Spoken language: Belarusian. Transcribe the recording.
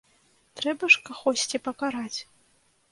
Трэба ж кагосьці пакараць!